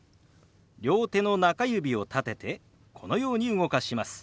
両手の中指を立ててこのように動かします。